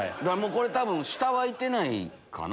多分下はいてないかな。